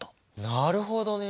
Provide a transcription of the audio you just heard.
なるほどね。